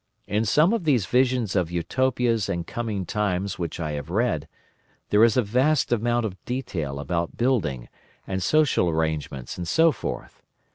In some of these visions of Utopias and coming times which I have read, there is a vast amount of detail about building, and social arrangements, and so forth.